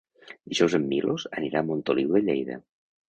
Dijous en Milos anirà a Montoliu de Lleida.